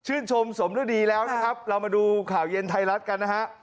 ชมสมฤดีแล้วนะครับเรามาดูข่าวเย็นไทยรัฐกันนะฮะ